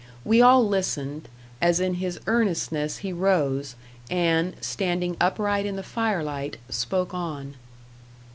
We all listened, as in his earnestness he rose, and, standing upright in the firelight, spoke on.